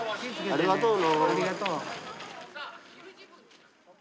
ありがとう。